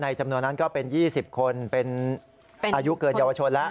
จำนวนนั้นก็เป็น๒๐คนเป็นอายุเกินเยาวชนแล้ว